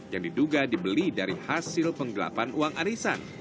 yang diduga dibeli dari hasil penggelapan uang arisan